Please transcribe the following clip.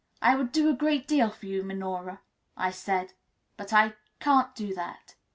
"I would do a great deal for you, Miss Minora," I said, "but I can't do that."